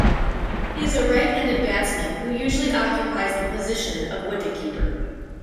He is a right-handed batsman who usually occupies the position of wicketkeeper.